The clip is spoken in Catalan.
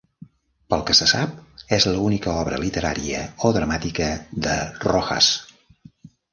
Pel que se sap, és l'única obra literària o dramàtica de Rojas.